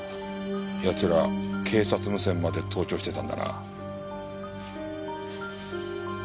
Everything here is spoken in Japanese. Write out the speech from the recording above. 奴ら警察無線まで盗聴してたんだな。